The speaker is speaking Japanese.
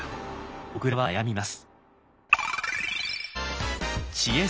小倉は悩みます。